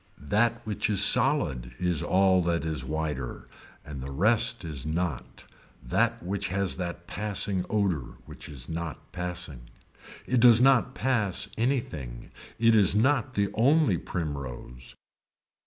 That which is solid is all that is wider and the rest is not that which has that passing odor which is not passing. It does not pass anything. It is not the only primrose.